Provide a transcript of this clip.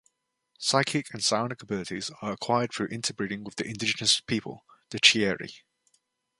Psychic and psionic abilities are acquired through interbreeding with the indigenous people, the "Chieri".